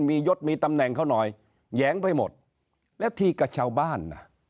มียศมีตำแหน่งเขาหน่อยแหยงไปหมดและที่กับชาวบ้านน่ะ